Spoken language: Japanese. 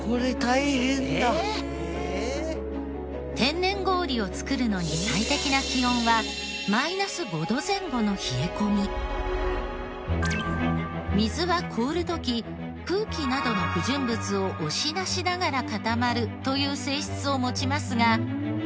天然氷を作るのに水は凍る時空気などの不純物を押し出しながら固まるという性質を持ちますが。